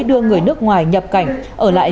đưa người nước ngoài nhập cảnh ở lại